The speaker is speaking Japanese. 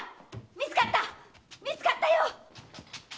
見つかったよ！